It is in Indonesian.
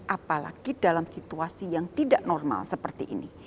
apalagi dalam situasi yang tidak normal seperti ini